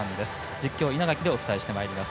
実況、稲垣でお伝えします。